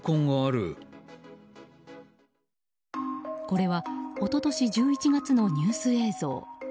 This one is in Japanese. これは一昨年１１月のニュース映像。